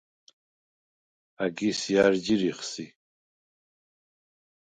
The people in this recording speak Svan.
ა̈გის ჲა̈რ ჯირიხ სი?